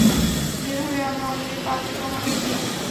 যেভাবে আমরা অন্যের পাপকে ক্ষমা করে দেই!